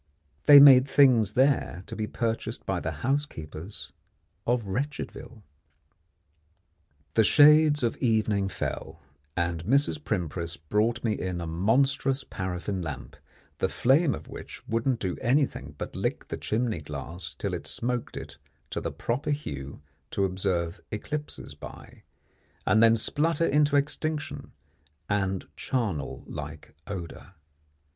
They made things there to be purchased by the housekeepers of Wretchedville. The shades of evening fell, and Mrs. Primpris brought me in a monstrous paraffin lamp, the flame of which wouldn't do anything but lick the chimney glass till it smoked it to the proper hue to observe eclipses by, and then splutter into extinction and charnel like odour.